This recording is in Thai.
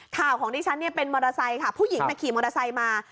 ข่าวของดิฉันเนี่ยเป็นมอเตอร์ไซค์ค่ะผู้หญิงขี่มอเตอร์ไซค์มา